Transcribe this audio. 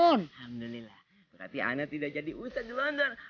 alhamdulillah berarti anda tidak jadi ustadz di london